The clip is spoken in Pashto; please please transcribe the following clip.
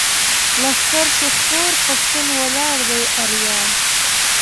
لښکر شو خپور پښتون ولاړ دی اریان.